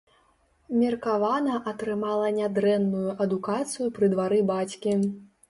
Меркавана атрымала нядрэнную адукацыю пры двары бацькі.